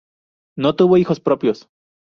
No tuvo hijos propios.